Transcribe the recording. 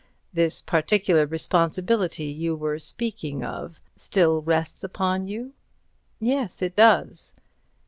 This particular responsibility you were speaking of still rests upon you?" "Yes, it does."